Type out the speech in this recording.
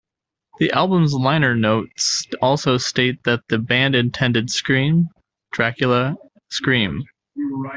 The album's liner notes also state that the band intended Scream, Dracula, Scream!